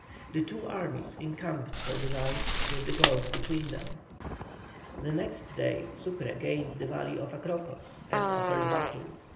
The two armies encamped for the night with the gorge between them. The next day Sucre gained the valley of Acrocos and offered battle.